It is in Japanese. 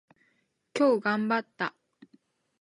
今日頑張った。